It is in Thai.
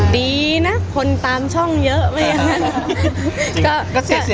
ดีนะคนตามช่องเยอะไม่อย่างนั้น